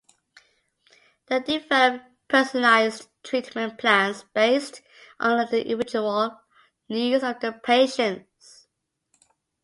They develop personalized treatment plans based on the individual needs of their patients.